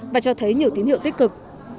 và cho thấy nhiều tín hiệu tích cực